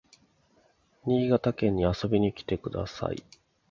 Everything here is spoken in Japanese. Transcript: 新潟県に遊びに来てください